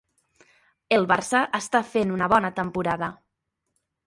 El Barça està fent una bona temporada.